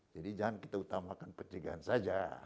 jadi jangan kita utamakan pencegahan saja